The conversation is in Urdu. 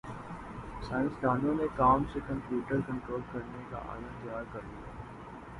سائنسدانوں نے کام سے کمپیوٹر کنٹرول کرنے کا آلہ تیار کرلیا